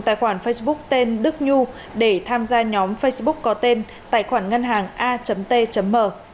tài khoản facebook tên đức nhu để tham gia nhóm facebook có tên tài khoản ngân hàng a t m